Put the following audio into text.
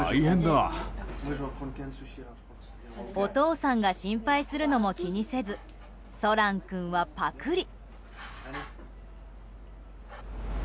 お父さんが心配するのも気にせずソラン君は、ぱくり。